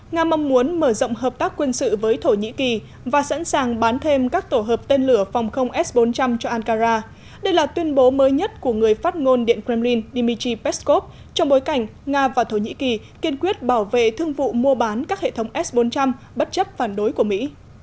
nga mong muốn mở rộng hợp tác quân sự với thổ nhĩ kỳ và sẵn sàng bán thêm các tổ hợp tên lửa phòng không s bốn trăm linh cho ankara đây là tuyên bố mới nhất của người phát ngôn điện kremlin dmitry peskov trong bối cảnh nga và thổ nhĩ kỳ kiên quyết bảo vệ thương vụ mua bán các hệ thống s bốn trăm linh bất chấp phản đối của mỹ